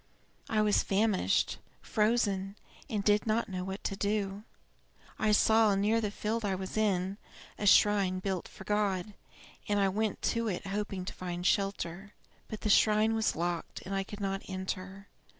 I was famished, frozen, and did not know what to do. I saw, near the field I was in, a shrine built for God, and I went to it hoping to find shelter. But the shrine was locked, and I could not enter.